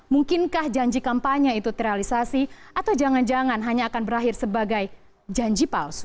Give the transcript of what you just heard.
mungkinkah janji kampanye itu terrealisasi atau jangan jangan hanya akan berakhir sebagai janji palsu